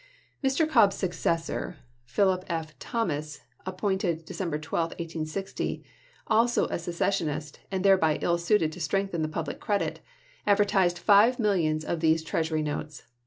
Mr. Cobb's successor (Philip F. Thomas, ap pointed December 12, 1860), also a secessionist, and thereby ill suited to strengthen the public credit, advertised five millions of these treasury notes.